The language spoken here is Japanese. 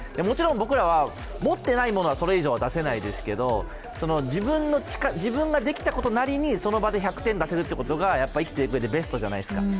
もちろん僕らは持ってないものはそれ以上は出せないですけど自分ができたことなりにその場で１００点を出せるということが生きていくうえでベストじゃないですか。